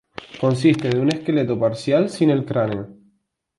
Consiste de un esqueleto parcial sin el cráneo.